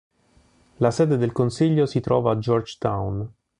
La sede del consiglio si trova a George Town.